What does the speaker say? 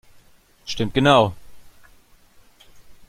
Stimmt genau!